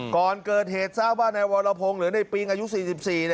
ก่อนเกิดเหตุทราบว่าในวรพงศ์หรือในปีนอายุ๔๔เนี่ย